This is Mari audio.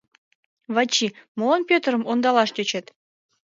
Вачи, молан Пӧтырым ондалаш тӧчет?